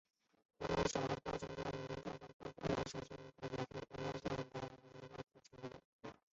湖南省文化厅是中华人民共和国湖南省人民政府管理湖南省文化艺术事业的组成部门。